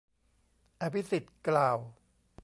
อภิสิทธิ์กล่าว